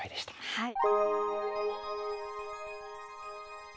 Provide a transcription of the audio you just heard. はい。